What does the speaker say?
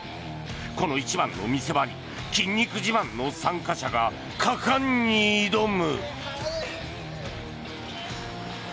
この一番の見せ場に筋肉自慢の参加者が果敢に挑む。